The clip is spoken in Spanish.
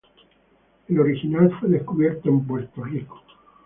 El original fue descubierto en Puerto Rico.